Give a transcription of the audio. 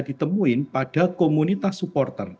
ini dikenakan pada komunitas supporter